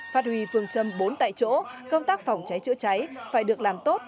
phát huy phương châm bốn tại chỗ công tác phòng cháy chữa cháy phải được làm tốt